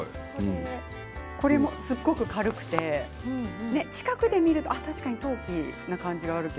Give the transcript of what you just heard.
これも、すごく軽くて近くで見ると確かに陶器の感じがあります。